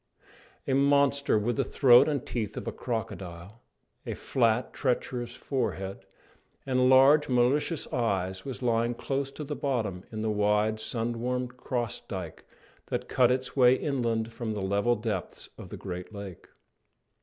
A monster, with the throat and teeth of a crocodile, a flat, treacherous forehead, and large, dull, malicious eyes, was lying close to the bottom in the wide, sun warmed cross dyke that cut its way inland from the level depths of the great lake.